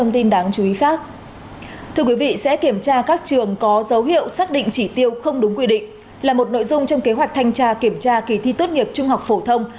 thưa quý vị sẽ kiểm tra các trường có dấu hiệu xác định chỉ tiêu không đúng quy định là một nội dung trong kế hoạch thanh tra kiểm tra kỳ thi tốt nghiệp trung học phổ thông